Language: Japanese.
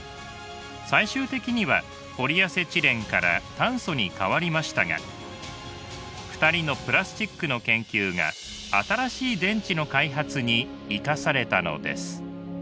最終的にはポリアセチレンから炭素にかわりましたが２人のプラスチックの研究が新しい電池の開発に生かされたのです。